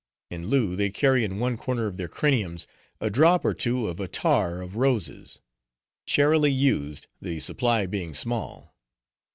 In lieu, they carry in one corner of their craniums, a drop or two of attar of roses; charily used, the supply being small.